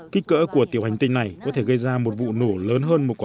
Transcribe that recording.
kích cỡ của tiểu hành tinh này có thể gây ra một vụ nổ lớn hơn một quả